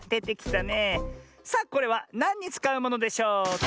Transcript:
さあこれはなんにつかうものでしょうか？